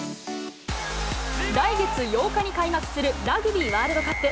来月８日に開幕するラグビーワールドカップ。